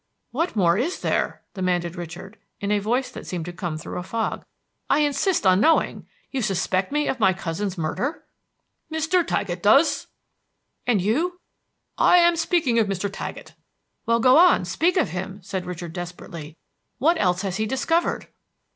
"What more is there?" demanded Richard in a voice that seemed to come through a fog. "I insist on knowing! You suspect me of my cousin's murder?" "Mr. Taggett does." "And you?" "I am speaking of Mr. Taggett." "Well, go on, speak of him," said Richard desperately. "What else has he discovered?"